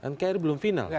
nkri belum final